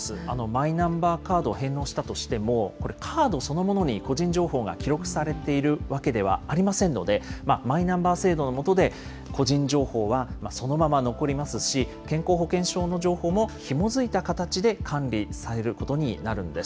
マイナンバーカードを返納したとしても、これ、カードそのものに個人情報が記録されているわけではありませんので、マイナンバー制度の下で個人情報はそのまま残りますし、健康保険証の情報もひも付いた形で管理されることになるんです。